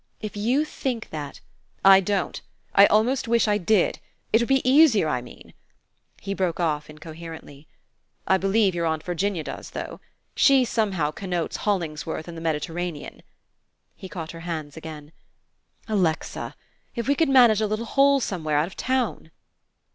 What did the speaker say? "If you think that " "I don't. I almost wish I did. It would be easier, I mean." He broke off incoherently. "I believe your Aunt Virginia does, though. She somehow connotes Hollingsworth and the Mediterranean." He caught her hands again. "Alexa if we could manage a little hole somewhere out of town?"